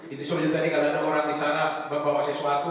itu soalnya tadi karena ada orang di sana membawa sesuatu